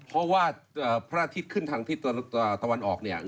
เพราะว่าพระอาทิตย์ขึ้นทางทิศตะวันออกเนี่ย